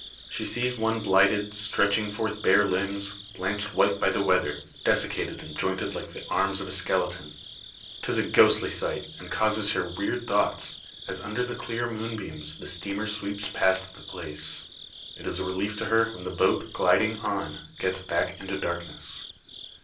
She sees one blighted, stretching forth bare limbs, blanched white by the weather, desiccated and jointed like the arms of a skeleton. 'Tis a ghostly sight, and causes her weird thoughts, as under the clear moonbeams the steamer sweeps past the place. It is a relief to her, when the boat, gliding on, gets back into darkness.